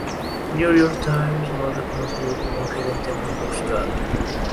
The New York Times lo ha reconocido como un gerente muy buscado.